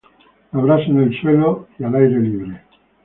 La brasa en el suelo y al aire libre.